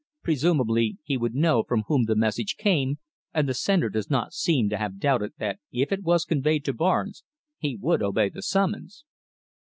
Presumably he would know from whom the message came, and the sender does not seem to have doubted that if it was conveyed to Barnes he would obey the summons.